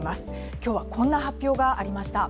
今日はこんな発表がありました。